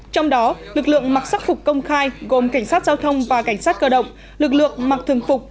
trong đó lực lượng mặc sắc phục công khai gồm cảnh sát giao thông và cảnh sát cơ động lực lượng mặc thường phục